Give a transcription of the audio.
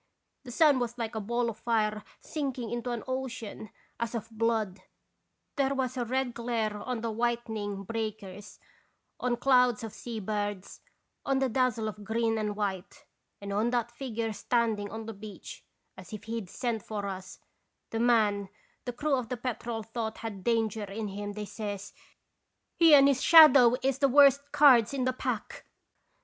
The sun was like a ball of fire sinking into an ocean as of blood ; there was a red glare on the whitening breakers, on clouds of sea birds, on the dazzle of green and white, and on that figure standing on the beach, as if he 'd sent for us, the man the crew of the Petrel thought had danger in him, they says :"' He and his shadow is the worst cards in the pack